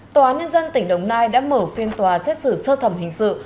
tòa án nhân dân tỉnh đồng nai đã mở phiên tòa xét xử sơ thẩm hình sự